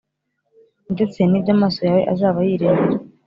ndetse n’ibyo amaso yawe azaba yirebera